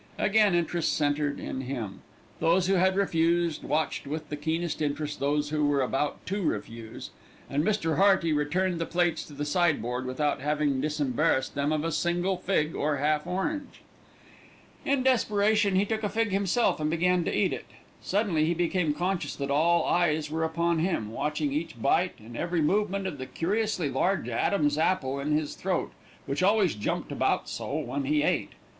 Again interest centred in him. Those who had refused watched with the keenest interest those who were about to refuse, and Mr. Hearty returned the plates to the sideboard without having disembarrassed them of a single fig or half orange. In desperation he took a fig himself and began to eat it. Suddenly he became conscious that all eyes were upon him, watching each bite and every movement of the curiously large adam's apple in his throat, which always jumped about so when he ate.